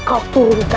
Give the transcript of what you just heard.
hai aku bisa